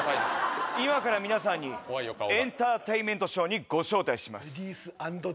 今から皆さんにエンターテインメントショーにご招待します。